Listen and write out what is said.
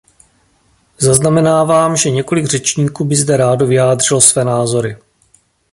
Zaznamenávám, že několik řečníků by zde rádo vyjádřilo své názory.